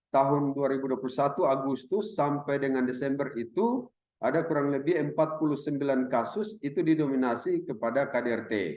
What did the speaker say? tahun dua ribu dua puluh satu agustus sampai dengan desember itu ada kurang lebih empat puluh sembilan kasus itu didominasi kepada kdrt